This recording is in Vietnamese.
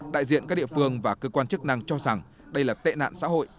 đại diện các địa phương và cơ quan chức năng cho rằng đây là tệ nạn xã hội